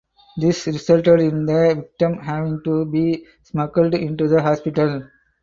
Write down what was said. This resulted in the victim having to be smuggled into the hospital.